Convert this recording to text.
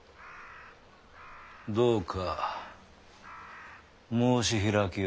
どうか申し開きを。